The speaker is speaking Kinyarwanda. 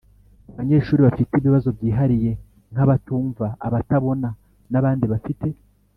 ku banyeshuri bafite ibibazo byihariye nk’abatumva, abatabona n’abandi bafite